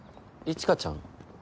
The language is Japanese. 一華ちゃん？